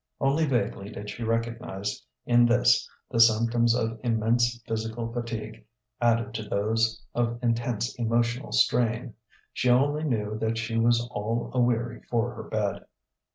Only vaguely did she recognize in this the symptoms of immense physical fatigue added to those of intense emotional strain: she only knew that she was all a weary for her bed.